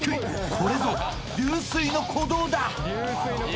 これぞ流水の鼓動だ！